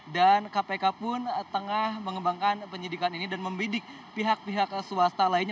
dan kpk pun tengah mengembangkan penyidikan ini dan membidik pihak pihak swasta lainnya